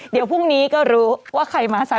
เดี๋ยวพรุ่งนี้ก็รู้ว่าใครมาใส่